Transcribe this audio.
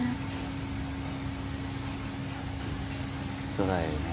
そらええな。